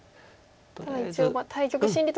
ただ一応対局心理としては。